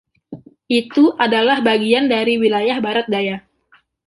Itu adalah bagian dari wilayah barat daya.